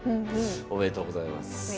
おめでとうございます。